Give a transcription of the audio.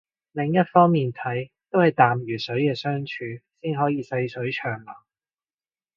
另一方面睇都係淡如水嘅相處先可以細水長流